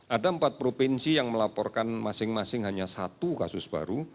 ada empat provinsi yang melaporkan masing masing hanya satu kasus baru